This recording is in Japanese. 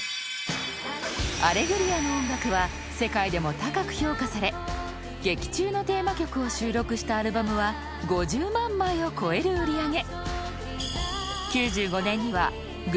［『アレグリア』の音楽は世界でも高く評価され劇中のテーマ曲を収録したアルバムは５０万枚を超える売り上げ］